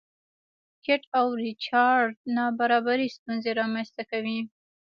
کیټ او ریچارډ نابرابري ستونزې رامنځته کوي.